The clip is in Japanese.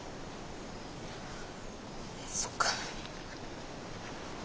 そっか。